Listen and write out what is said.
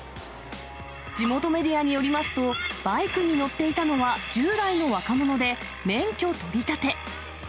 地元メディアによりますと、バイクに乗っていたのは１０代の若者で、免許取りたて。